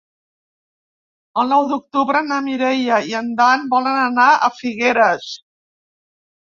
El nou d'octubre na Mireia i en Dan volen anar a Figueres.